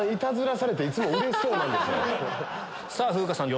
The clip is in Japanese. さぁ風花さん